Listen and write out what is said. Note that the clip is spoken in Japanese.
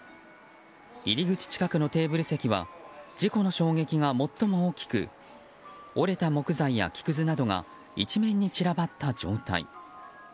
入り口近くのテーブル席は事故の衝撃が最も大きく折れた木材や木くずなどが一面に散らばった状態。